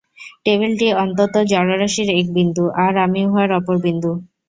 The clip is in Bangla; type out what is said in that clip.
টেবিলটি অনন্ত জড়রাশির এক বিন্দু, আর আমি উহার অপর বিন্দু।